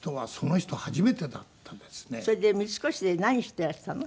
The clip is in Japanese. それで三越で何していらしたの？